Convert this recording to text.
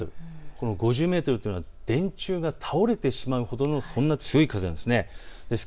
この５０メートルというのは電柱が倒れてしまうほどの強い風です。